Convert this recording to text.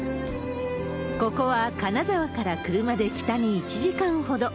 ここは金沢から車で北に１時間ほど。